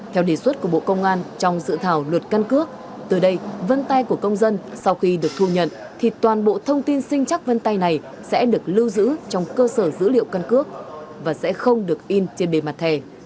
theo đề xuất của bộ công an trong dự thảo luật căn cước từ đây vân tay của công dân sau khi được thu nhận thì toàn bộ thông tin sinh chắc vân tay này sẽ được lưu giữ trong cơ sở dữ liệu căn cước và sẽ không được in trên bề mặt thẻ